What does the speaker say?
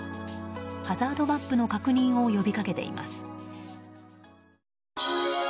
ハザードマップの確認を呼びかけています。